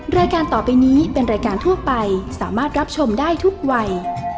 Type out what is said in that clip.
รายการต่อไปนี้เป็นรายการทั่วไปสามารถรับชมได้ทุกวัย